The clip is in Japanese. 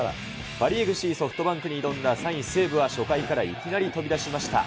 パ・リーグ首位、ソフトバンクに挑んだ３位西武は初回からいきなり飛び出しました。